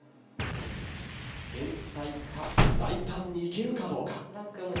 繊細かつ大胆にいけるかどうか。